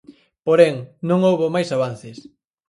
Porén, non houbo máis avances.